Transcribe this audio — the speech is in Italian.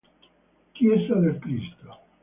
Chiesa del Cristo